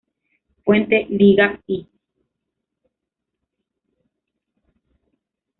Fuente: Liga I